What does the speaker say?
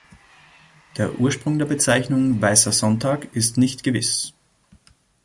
Der Ursprung der Bezeichnung "Weißer Sonntag" ist nicht gewiss.